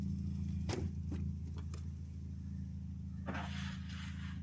The mechanism of the addition of the elemental sulfur is unknown.